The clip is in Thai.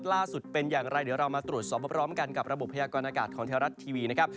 ล่าสุดเป็นอย่างไรเดี๋ยวเรามาตรวจสอบพร้อมกันกับระบบพยากรณากาศของเทวรัฐทีวีนะครับ